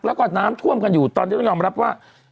แล้วก็น้ำท่วมกันอยู่ตอนนี้ต้องยอมรับว่า